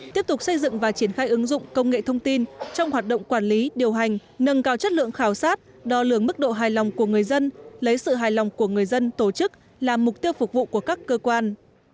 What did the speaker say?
tiếp tục xây dựng và triển khai ứng dụng công nghệ thông tin trong hoạt động quản lý điều hành nâng cao chất lượng khảo sát đo lường mức độ hài lòng của người dân lấy sự hài lòng của người dân tổ chức là mục tiêu phục vụ của các cơ quan